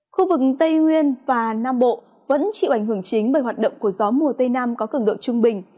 khu vực tây nguyên và nam bộ vẫn chịu ảnh hưởng chính bởi hoạt động của gió mùa tây nam có cường độ trung bình